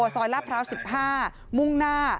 ลาดพร้าว๑๕มุ่งหน้า